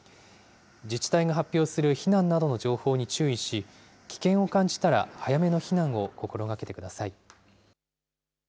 自治体が発表する避難などの情報に注意し、危険を感じたら早めの避難を心がけてください。